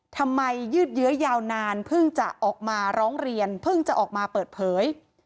ยืดเยื้อยาวนานเพิ่งจะออกมาร้องเรียนเพิ่งจะออกมาเปิดเผย